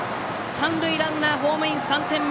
三塁ランナーホームイン、３点目！